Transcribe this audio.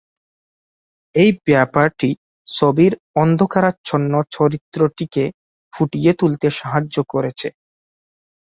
এই ব্যাপারটি ছবির অন্ধকারাচ্ছন্ন চরিত্রটিকে ফুটিয়ে তুলতে সাহায্য করেছে।